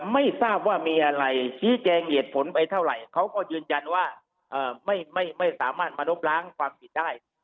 ไม่ทราบว่ามีอะไรชี้แจงเหตุผลไปเท่าไหร่เขาก็ยืนยันว่าไม่สามารถมาลบล้างความผิดได้